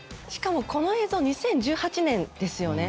この映像２０１８年ですよね。